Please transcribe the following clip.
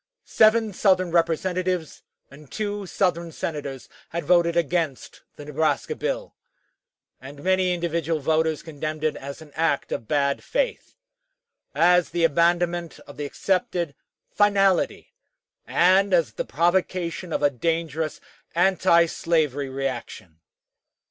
Seven Southern Representatives and two Southern Senators had voted against the Nebraska bill, and many individual voters condemned it as an act of bad faith as the abandonment of the accepted "finality," and as the provocation of a dangerous antislavery reaction.